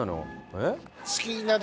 えっ？